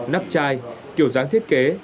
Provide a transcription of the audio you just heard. nắp chai kiểu dáng thiết kế